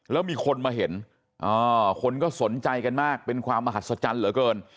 แล้วมีคนมาเห็นคนก็สนใจกันมากเป็นความมหัศจรรย์เหลือเกิน